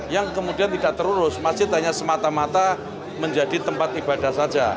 yang kemudian tidak terurus masjid hanya semata mata menjadi tempat ibadah saja